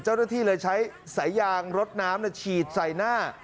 เจ้าหน้าที่เลยใช้สายยางรถน้ำฉีดใส่หน้า